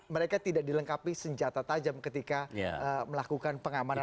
mereka tidak dilengkapi senjata tajam ketika melakukan pengamanan